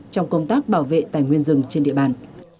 trong công tác bảo vệ tài nguyên rừng trên địa bàn